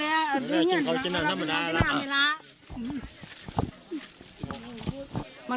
เขามีปัญหาอะไรประหลาดโจมตีเจ็บมั้ย